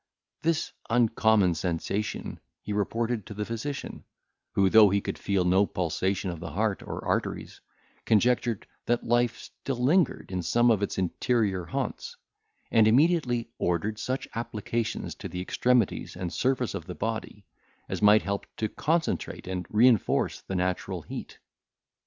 This uncommon sensation he reported to the physician, who, though he could feel no pulsation of the heart or arteries, conjectured that life still lingered in some of its interior haunts, and immediately ordered such applications to the extremities and surface of the body, as might help to concentrate and reinforce the natural heat.